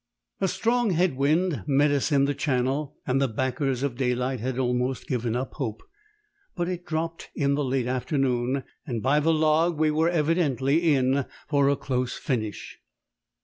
A strong head wind met us in the Channel, and the backers of daylight had almost given up hope; but it dropped in the late afternoon, and by the log we were evidently in for a close finish.